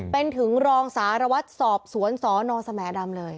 เป็นถึงรองสารวัตรสอบสวนสนสแหมดำเลย